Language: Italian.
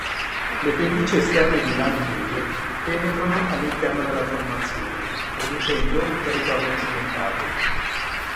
Le pendici esterne di Langmuir penetrano all'interno della formazione, producendo un territorio accidentato.